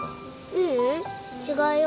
ううん違うよ。